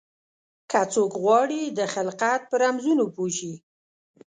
که څوک غواړي د خلقت په رمزونو پوه شي.